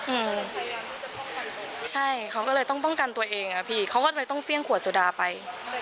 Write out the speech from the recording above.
อืมใช่เขาก็เลยต้องป้องกันตัวเองอ่ะพี่เขาก็เลยต้องเฟี้ยงขวดสุดาไป